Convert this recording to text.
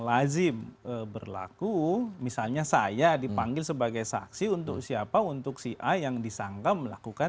lazim berlaku misalnya saya dipanggil sebagai saksi untuk siapa untuk si a yang disangka melakukan